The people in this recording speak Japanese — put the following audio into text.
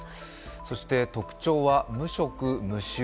そして特徴は無色無臭。